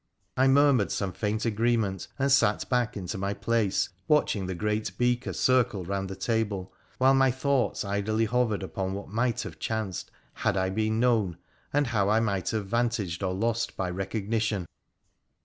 ' I murmured some faint agreement, and sat back into my place, watching the great beaker circle round the table, while my thoughts idly hovered upon what might have chanced had I been known, and how I might have vantaged or lost by recognition.